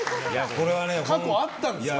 過去あったんですか？